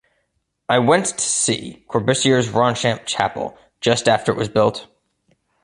I went to see Corbusier's Ronchamp chapel just after it was built.